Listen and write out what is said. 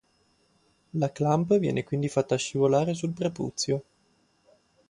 La clamp viene quindi fatta scivolare sul prepuzio.